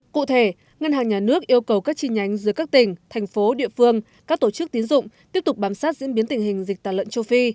cụ thể ngân hàng nhà nước yêu cầu các chi nhánh giữa các tỉnh thành phố địa phương các tổ chức tiến dụng tiếp tục bám sát diễn biến tình hình dịch tà lợn châu phi